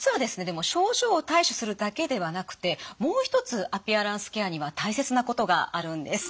でも症状を対処するだけではなくてもう一つアピアランスケアには大切なことがあるんです。